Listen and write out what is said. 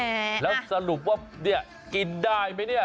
เออเอาแล้วสรุปว่ากินได้ไหมเนี่ย